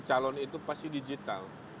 kalau itu pasti digital